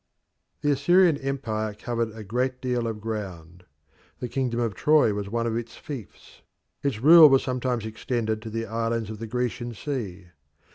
The Assyrian empire covered a great deal of ground. The kingdom of Troy was one of its fiefs. Its rule was sometimes extended to the islands of the Grecian sea.